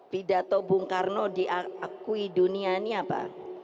pidato bung karno diakui dunia ini apa